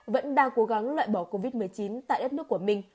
vẫn đang cố gắng loại bỏ covid một mươi chín tại đất nước của mình